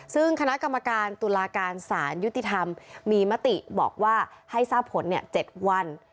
ซึ่งคณะกรรมการตุลาการสารยุติธรรมมีมติบอกว่าให้ทราบผล๗วัน